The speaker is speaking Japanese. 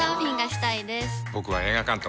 僕は映画監督。